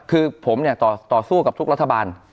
คือผมเนี่ยต่อสู้กับทุกรัฐบาล